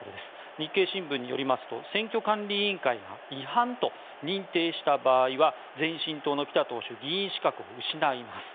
日経新聞によりますと選挙管理委員会が違反と認定した場合は前進党のピタ党首は議員資格を失います。